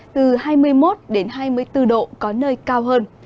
từ hai mươi một hai mươi bốn độ có nơi cao hơn